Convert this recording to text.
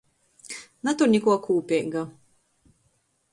Natur nikuo kūpeiga.